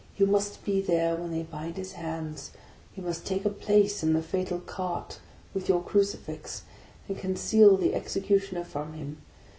You must be there when they bind his hands; you must take a place in the fatal cart, with your crucifix, and conceal the execu tioner from him.